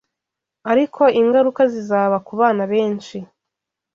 ariko ingaruka zizaba ku bana benshi